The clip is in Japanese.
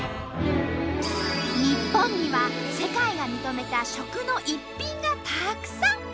日本には世界が認めた食の逸品がたくさん！